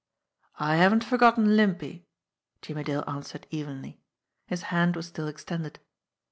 "I haven't forgotten Limpy," Jimmie Dale answered evenly. His hand was still extended.